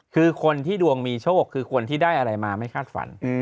คือคนที่ดวงมีโชคคือคนที่ได้อะไรมาไม่คาดฝัน